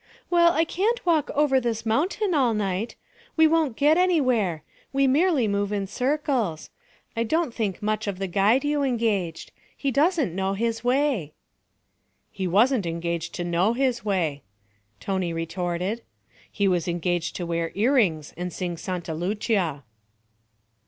'Well, I can't walk over this mountain all night. We don't get anywhere; we merely move in circles. I don't think much of the guide you engaged. He doesn't know his way.' 'He wasn't engaged to know his way,' Tony retorted. 'He was engaged to wear earrings and sing Santa Lucia.'